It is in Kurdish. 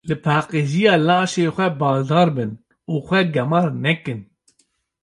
Li Paqijiya laşê xwe baldar bin û xwe gemar nekin.